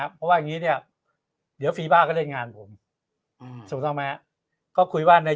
ครับเพราะว่าอย่างนี้เนี่ยเดี๋ยวฟีบาร์ก็เล่นงานผมก็คุยว่าใน